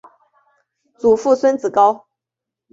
祖父孙子高。